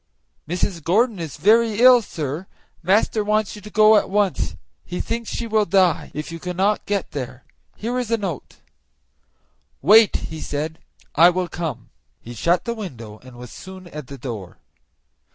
"Mrs. Gordon is very ill, sir; master wants you to go at once; he thinks she will die if you cannot get there. Here is a note." "Wait," he said, "I will come." He shut the window, and was soon at the door.